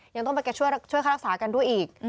ยังต้องไปช่วยค่ารักษากันด้วยอีก